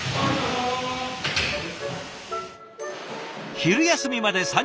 昼休みまで３０分。